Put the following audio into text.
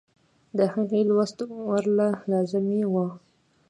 د هغې لوست ورله لازمي وۀ -